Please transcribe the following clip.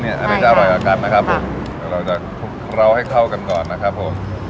เนี้ยใช่ค่ะอร่อยกว่ากันนะครับผมครับเราจะเราให้เข้ากันก่อนนะครับผม